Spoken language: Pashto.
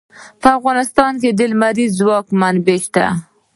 په افغانستان کې د لمریز ځواک منابع شته.